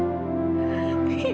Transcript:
jangan sampai aku kembali